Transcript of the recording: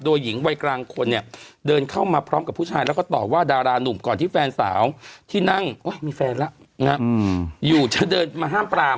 โดยหญิงวัยกลางคนเนี่ยเดินเข้ามาพร้อมกับผู้ชายแล้วก็ตอบว่าดารานุ่มก่อนที่แฟนสาวที่นั่งมีแฟนแล้วอยู่จะเดินมาห้ามปราม